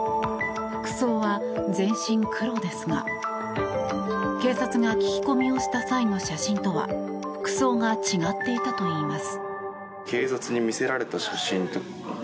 服装は全身黒ですが警察が聞き込みをした際の写真とは服装が違っていたといいます。